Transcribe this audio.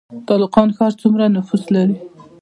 تالقان ښار څومره نفوس لري؟